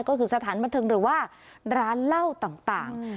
ก็คือสถานบันเทิงหรือว่าร้านเหล้าต่าง